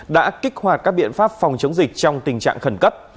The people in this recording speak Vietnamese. đã kích hoạt các biện pháp phòng chống dịch trong tình trạng khẩn cấp